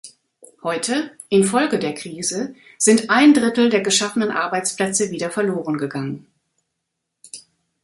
Heute, infolge der Krise, sind ein Drittel der geschaffenen Arbeitsplätze wieder verloren gegangen.